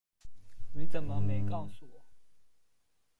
你怎么没告诉我